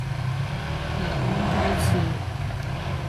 檸檬雞翅